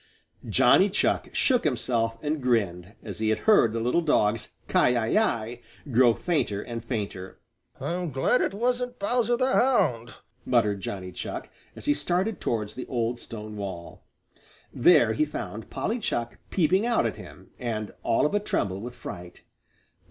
Johnny Chuck shook himself and grinned, as he heard the little dog's "Kiyi yi yi" grow fainter and fainter. "I'm glad it wasn't Bowser the Hound," muttered Johnny Chuck, as he started towards the old stone wall. There he found Polly Chuck peeping out at him, and all of a tremble with fright.